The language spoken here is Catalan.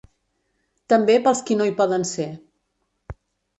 També pels qui no hi poden ser.